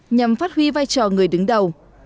nhằm phát huy vai trò người đứng đầu